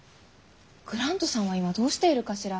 グラントさんは今どうしているかしら。